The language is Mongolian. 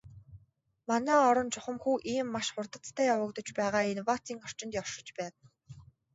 Манай орон чухамхүү ийм маш хурдацтай явагдаж байгаа инновацийн орчинд оршиж байна.